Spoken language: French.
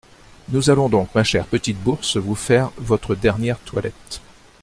Nous allons donc, ma chère petite bourse, vous faire votre dernière toilette.